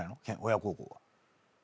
親孝行は。